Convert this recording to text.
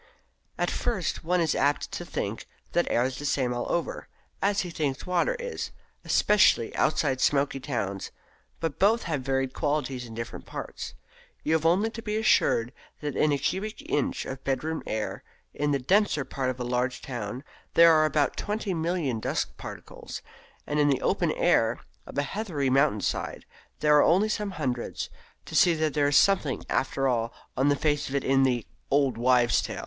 At first one is apt to think that air is the same all over, as he thinks water is especially outside smoky towns; but both have varied qualities in different parts. You have only to be assured that in a cubic inch of bedroom air in the denser parts of a large town there are about 20,000,000 of dust particles, and in the open air of a heathery mountain side there are only some hundreds, to see that there is something after all on the face of it in the "old wives' saw."